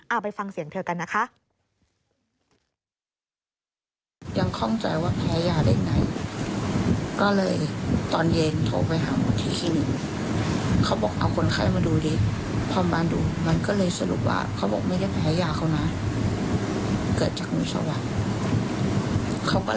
ไปฟังเสียงเธอกันนะคะ